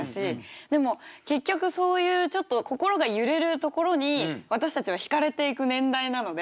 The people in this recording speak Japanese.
でも結局そういうちょっと心が揺れるところに私たちはひかれていく年代なので。